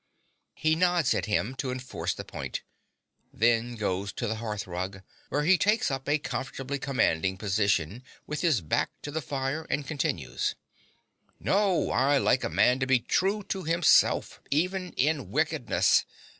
(He nods at him to enforce the point; then goes to the hearth rug, where he takes up a comfortably commanding position with his back to the fire, and continues) No: I like a man to be true to himself, even in wickedness.